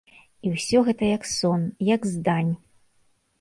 І ўсё гэта як сон, як здань.